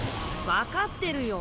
分かってるよ。